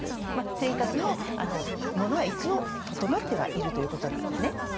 生活のものは一応整ってはいるということです。